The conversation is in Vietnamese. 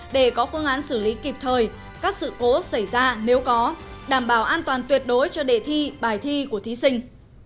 để có phương án xử lý kịp thời các sự cố xảy ra nếu có đảm bảo an toàn tuyệt đối cho đề thi bài thi của thí sinh